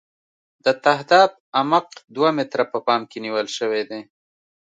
د تهداب عمق دوه متره په پام کې نیول شوی دی